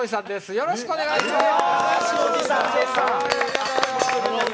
よろしくお願いします。